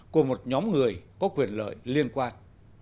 của một nhóm người có quyền lợi liên quan